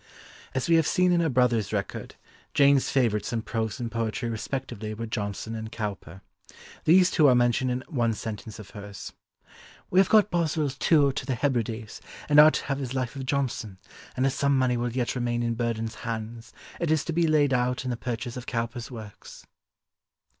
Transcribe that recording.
As we have seen in her brother's record, Jane's favourites in prose and poetry respectively were Johnson and Cowper. These two are mentioned in one sentence of hers: "We have got Boswell's Tour to the Hebrides, and are to have his Life of Johnson; and as some money will yet remain in Burdon's hands, it is to be laid out in the purchase of Cowper's works."